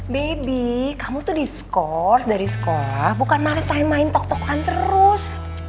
baby kamu tuh diskurs dari sekolah bukan pake time main tok tokan terus